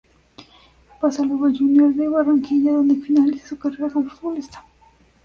Pasa luego a Junior de Barranquilla, donde finaliza su carrera como futbolista.